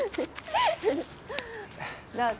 どうぞ。